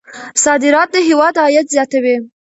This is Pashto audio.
صادرات د هېواد عاید زیاتوي.